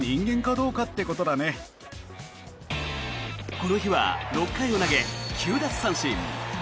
この日は６回を投げ９奪三振。